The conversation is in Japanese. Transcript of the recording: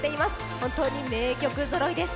本当に名曲ぞろいです。